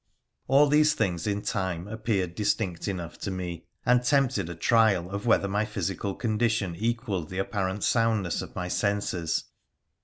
All these things in time appeared distinct enough to me, and tempted a trial of whether my physical condition equalled the apparent soundness of my senses.